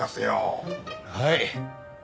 はい。